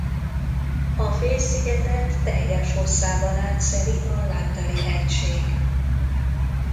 A félszigetet teljes hosszában átszeli a Lattari-hegység.